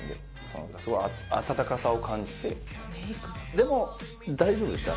でも大丈夫でした？